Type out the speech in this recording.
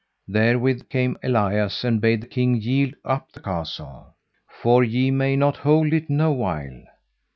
Therewith came Elias and bade the king yield up the castle: For ye may not hold it no while.